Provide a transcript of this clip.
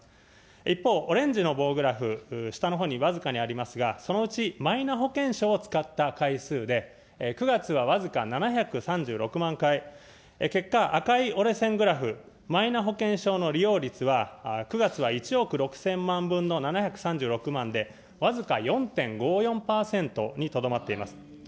一方、オレンジの棒グラフ、下のほうに僅かにありますが、そのうちマイナ保険証を使った回数で、９月は僅か７３６万回、結果、赤い折れ線グラフ、マイナ保険証の利用率は９月は１億６０００万分の７３６万で、僅か４．５４％にとどまっています。